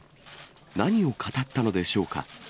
何を語ったのでしょうか。